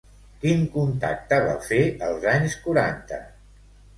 Quin contacte va fer als anys quaranta?